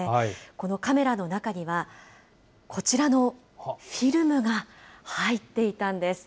このカメラの中には、こちらのフィルムが入っていたんです。